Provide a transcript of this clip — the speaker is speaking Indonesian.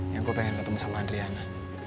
ya gue pengen ketemu sama andriana